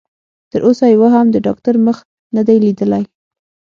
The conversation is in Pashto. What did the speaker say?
تر اوسه يوه هم د ډاکټر مخ نه دی ليدلی.